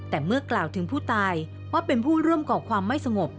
แต่เมื่อกล่าวถึงผู้ตายว่าเป็นผู้ร่วมก่อความไม่สงบ